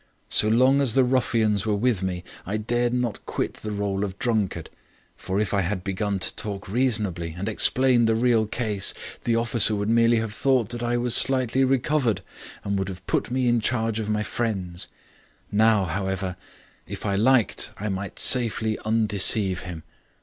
So long as the ruffians were with me, I dared not quit the role of drunkard. For if I had begun to talk reasonably and explain the real case, the officer would merely have thought that I was slightly recovered and would have put me in charge of my friends. Now, however, if I liked I might safely undeceive him.